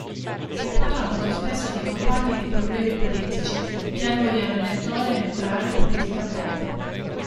Si parla molto spesso di compagni e di problemi politici che annoiano il lettore neutrale politicamente.